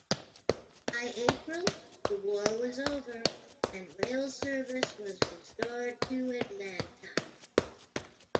By April, the war was over, and rail service was restored to Atlanta.